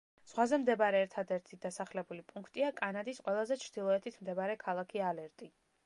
ზღვაზე მდებარე ერთადერთი დასახლებული პუნქტია კანადის ყველაზე ჩრდილოეთით მდებარე ქალაქი ალერტი.